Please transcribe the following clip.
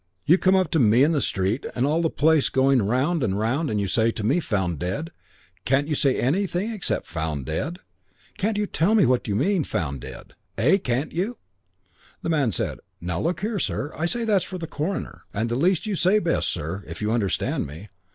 You come up to me in the street, and all the place going round and round, and you say to me, 'Found dead.' Can't you say anything except 'Found dead'? Can't you tell me what you mean, found dead? Eh? Can't you?" The man said, "Now look here, sir. I say that's for the coroner. Least said best. And least you say best, sir, if you understand me.